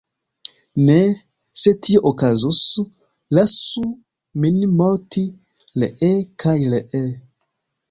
Ne, se tio okazus, lasu min morti ree kaj ree."".